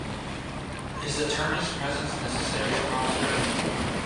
Is the attorney's presence necessary tomorrow, Sir?